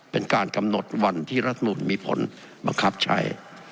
เป็นการกำหนดวันที่รัฐมนุนมีผลบังคับใช้